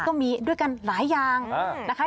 ก็มีด้วยกันหลายอย่างนะคะ